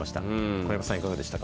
小籔さん、いかがでしたか？